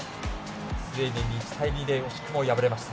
スウェーデンに１対２で惜しくも敗れました。